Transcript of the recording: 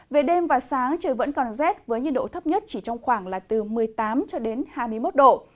về đêm và sáng trời vẫn còn rét với nhiệt độ thấp nhất chỉ trong khoảng là từ một mươi tám cho đến hai mươi một độ